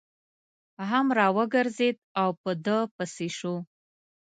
هم را وګرځېد او په ده پسې شو.